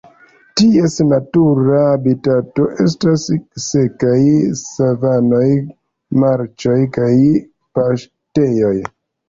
Ties natura habitato estas sekaj savanoj, marĉoj kaj paŝtejoj.